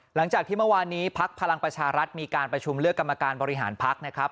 หลังจากที่เมื่อวานนี้พักพลังประชารัฐมีการประชุมเลือกกรรมการบริหารพักนะครับ